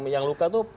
yang luka itu